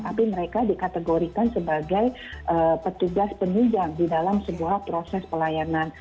tapi mereka dikategorikan sebagai petugas penunjang di dalam sebuah proses pelayanan